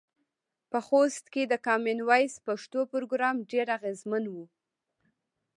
په خوست کې د کامن وایس پښتو پروګرام ډیر اغیزمن و.